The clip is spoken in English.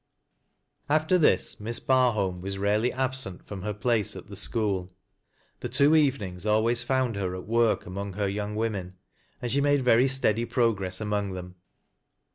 After this, Miss Barholm was rarely absent from hei place at the school. The two evenings a.'ways found hei at work among her young women, and ^he made ver) steady progress among them.